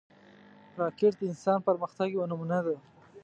راکټ د انسان پرمختګ یوه نمونه ده